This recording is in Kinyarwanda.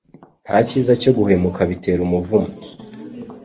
ntakizacyo guhemuka bitera umuvumo